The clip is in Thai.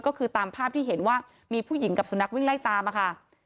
ก็คือตามภาพที่เห็นว่ามีผู้หญิงกับสุนัขวิ่งไล่ตามอะค่ะ